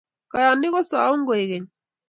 Kayanik kosaun koikeny